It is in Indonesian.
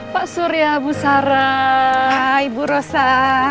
pak surya bu sara ibu rosa